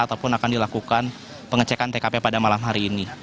ataupun akan dilakukan pengecekan tkp pada malam hari ini